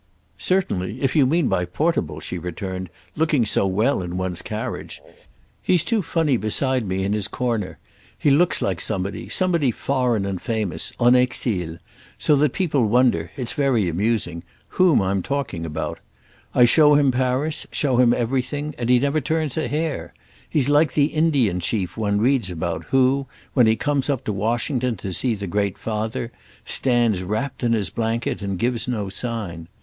"Certainly, if you mean by portable," she returned, "looking so well in one's carriage. He's too funny beside me in his corner; he looks like somebody, somebody foreign and famous, en exil; so that people wonder—it's very amusing—whom I'm taking about. I show him Paris, show him everything, and he never turns a hair. He's like the Indian chief one reads about, who, when he comes up to Washington to see the Great Father, stands wrapt in his blanket and gives no sign.